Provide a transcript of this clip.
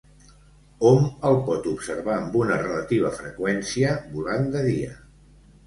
Hom el pot observar amb una relativa freqüència volant de dia.